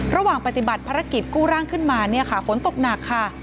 ระหว่างปฏิบัติภารกิจกู้ร่างขึ้นมาเนี่ยค่ะฝนตกหนักค่ะ